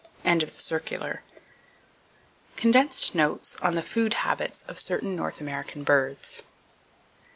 —(End of the circular.) Condensed Notes On The Food Habits Of Certain North American Birds.